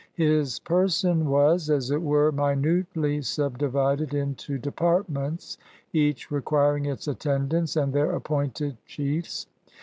His per son was, as it were, minutely subdivided into depart ments, each requiring its attendants and their appointed chiefs.